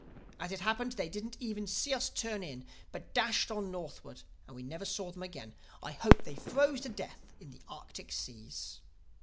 As it happened, they didn't even see us turn in, but dashed on northward and we never saw them again. I hope they froze to death in the Arctic Seas.